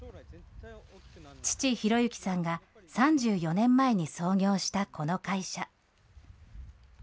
父、浩行さんが３４年前に創業したこの会社。